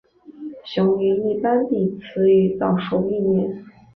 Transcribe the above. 雄鱼一般比雌鱼早熟一年。